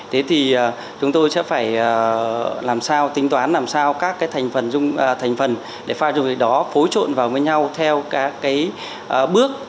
thế thì chúng tôi sẽ phải làm sao tính toán làm sao các thành phần để pha dùng cái đó phối trộn vào với nhau theo các bước